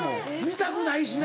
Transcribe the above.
見たくないしな。